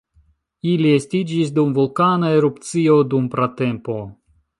Ili estiĝis dum vulkana erupcio dum pratempo.